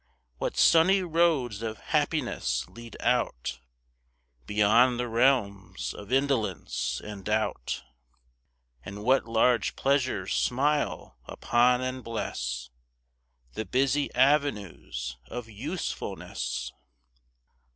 What sunny roads of happiness lead out Beyond the realms of indolence and doubt! And what large pleasures smile upon and bless The busy avenues of usefulness!